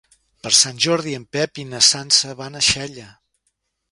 Per Sant Jordi en Pep i na Sança van a Xella.